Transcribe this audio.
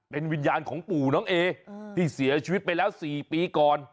เป็นวิญญาณของปู่น้องเอที่เสียชีวิตไปแล้ว๔ปีก่อน